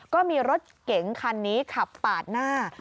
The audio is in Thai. ก็มีรถเก๋งคันนี้ขับปาดหน้า